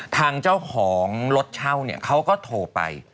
ทางเจ้าของรถเช่าเนี่ยเขาก็โทรไป